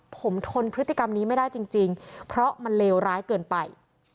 ผมทนพฤติกรรมนี้ไม่ได้จริงเพราะมันเลวร้ายเกินไป